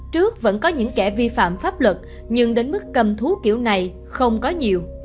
trước vẫn có những kẻ vi phạm pháp luật nhưng đến mức cầm thú kiểu này không có nhiều